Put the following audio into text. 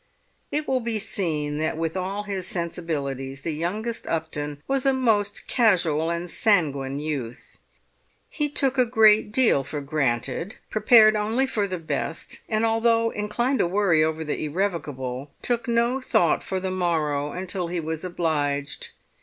It will be seen that with all his sensibilities the youngest Upton was a most casual and sanguine youth. He took a great deal for granted, prepared only for the best, and although inclined to worry over the irrevocable, took no thought for the morrow until he was obliged.